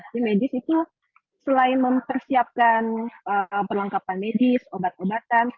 tim medis itu selain mempersiapkan perlengkapan medis obat obatan